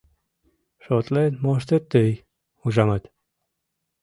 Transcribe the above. — Шотлен моштет тый, ужамат.